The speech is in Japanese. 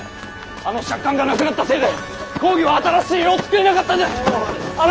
あの借款がなくなったせいで公儀は新しい世を作れなかったんだ。